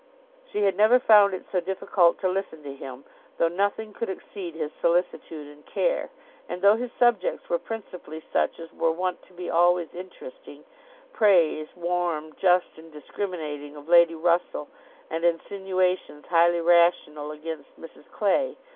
She had never found it so difficult to listen to him, though nothing could exceed his solicitude and care, and though his subjects were principally such as were wont to be always interesting: praise, warm, just, and discriminating, of Lady Russell, and insinuations highly rational against Mrs Clay.